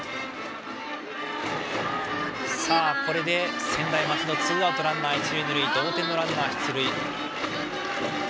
これで専大松戸はツーアウトランナー、一塁二塁で同点のランナーが出塁。